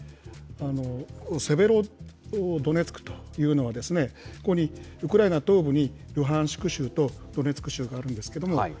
セベロドネツクというのは、ここに、ウクライナ東部にルハンシク州とドネツク州があるんですけれども、